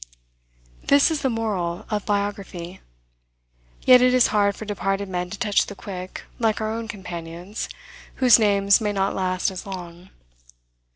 This is the moral of biography; yet it is hard for departed men to touch the quick like our own companions, whose names may not last as long.